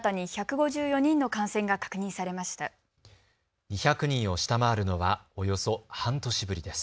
２００人を下回るのはおよそ半年ぶりです。